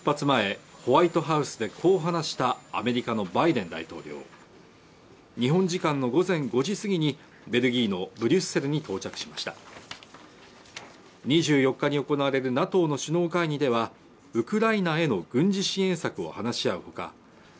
前ホワイトハウスでこう話したアメリカのバイデン大統領日本時間の午前５時過ぎにベルギーのブリュッセルに到着しました２４日に行われるＮＡＴＯの首脳会議ではウクライナへの軍事支援策を話し合うほかＮＡＴＯ